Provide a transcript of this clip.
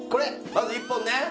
まず１本ね。